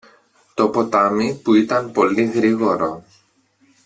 το ποτάμι που ήταν πολύ γρήγορο